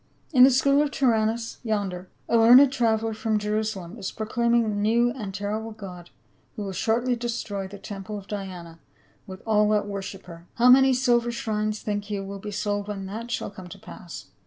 In the school of Tyrannus yonder, a learned traveler from Jerusalem is proclaim ing a new and terrible god who will shortly destroy the temple of Diana with all that worship her. How many silver shrines think you will be sold when that shall come to pass